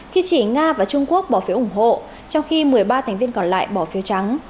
khi chỉ nga và trung quốc bỏ phiếu ủng hộ trong khi một mươi ba thành viên còn lại bỏ phiếu trắng